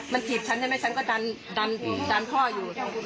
มันถีบฉันฉันก็ดันพ่ออยู่